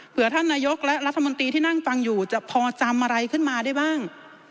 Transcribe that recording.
เพื่อท่านนายกและรัฐมนตรีที่นั่งฟังอยู่จะพอจำอะไรขึ้นมาได้บ้าง